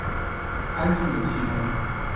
安静的气氛